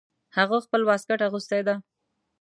هغه خپل واسکټ اغوستی ده